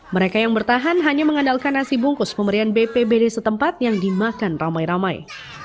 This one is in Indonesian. mereka yang bertahan hanya mengandalkan nasi bungkus pemberian bpbd setempat yang dimakan ramai ramai